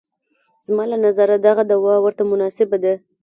زما له نظره دغه دوا ورته مناسبه ده.